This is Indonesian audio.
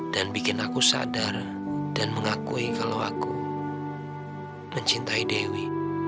dan bikin aku sadar dan mengakui kalau aku mencintai dewi